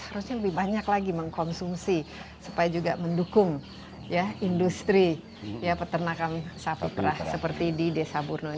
harusnya lebih banyak lagi mengkonsumsi supaya juga mendukung industri peternakan sapi perah seperti di desa burno